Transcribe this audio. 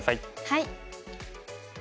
はい。